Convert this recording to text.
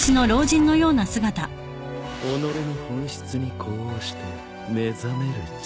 己の本質に呼応して目覚める力。